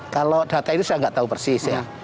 kalau data itu saya nggak tahu persis ya